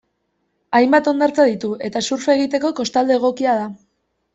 Hainbat hondartza ditu eta surfa egiteko kostalde egokia da.